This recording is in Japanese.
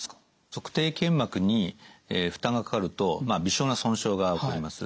足底腱膜に負担がかかると微小な損傷が起こります。